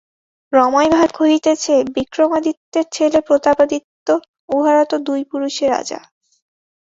রমাই ভাঁড় কহিতেছে, বিক্রমাদিত্যের ছেলে প্রতাপাদিত্য, উহারা তো দুই পুরুষে রাজা!